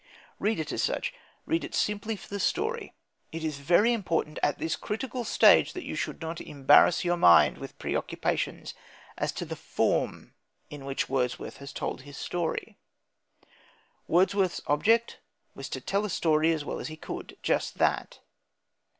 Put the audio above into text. Read it as such. Read it simply for the story. It is very important at this critical stage that you should not embarrass your mind with preoccupations as to the form in which Wordsworth has told his story. Wordsworth's object was to tell a story as well as he could: just that.